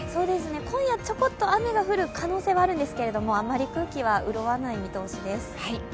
今夜、ちょこっと雨が降る可能性があるんですけれどもあまり空気は潤わない見通しです。